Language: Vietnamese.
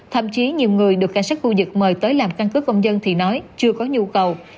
thậm chí nhiều người được cảnh sát khu vực mời tới làm căn cứ công dân thì nói chưa có nhu cầu